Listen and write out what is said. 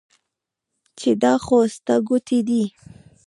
چې دا خو ستا ګوتې دي